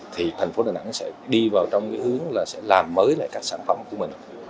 thành phố đà nẵng sẽ đi vào trong hướng làm mới các sản phẩm của mình